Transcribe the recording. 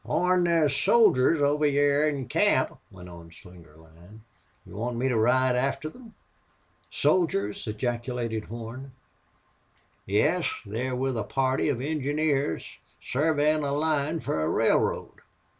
"Horn, there's soldiers over hyar in camp," went on Slingerland. "Do you want me to ride after them?" "Soldiers!" ejaculated Horn. "Yes. They're with a party of engineers surveyin' a line fer a railroad.